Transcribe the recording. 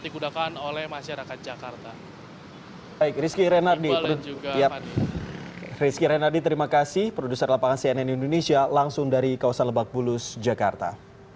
dan juga akan dikutakan oleh masyarakat jakarta